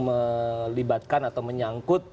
melibatkan atau menyangkut